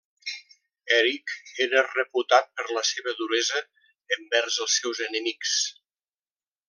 Eric era reputat per la seva duresa envers els seus enemics.